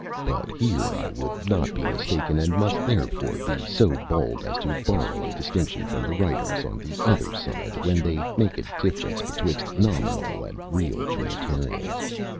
But here I would not be mistaken, and must therefore be so bold as to borrow a distinction from the writers on the other side, when they make a difference betwixt nominal and real Trinitarians.